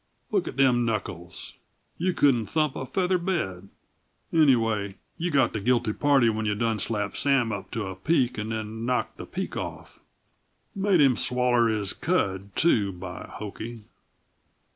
Look at them knuckles! You couldn't thump a feather bed. Anyway, you got the guilty party when you done slapped Sam up to a peak and then knocked the peak off. Made him swaller his cud, too, by hokey!